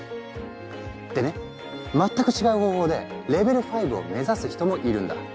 でね全く違う方法でレベル５を目指す人もいるんだ。